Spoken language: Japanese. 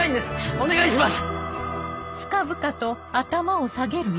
お願いします。